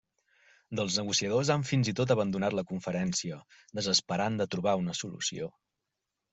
Dels negociadors han fins i tot abandonat la Conferència, desesperant de trobar una solució.